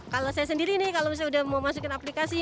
kalau saya sendiri nih kalau misalnya udah mau masukin aplikasi